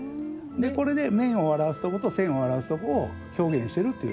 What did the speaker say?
これで面を表すとこと線を表すとこを表現してるっていう。